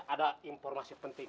ada informasi penting